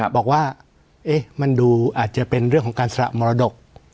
บอกว่ามันดูอาจจะเป็นเรื่องของการสละมรดก